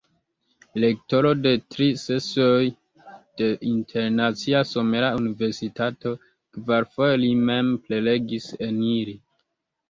Rektoro de tri sesioj de Internacia Somera Universitato, kvarfoje li mem prelegis en ili.